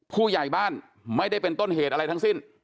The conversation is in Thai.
ผู้ใหญ่บ้านไม่ได้เป็นต้นเหตุอะไรทั้งสิ้น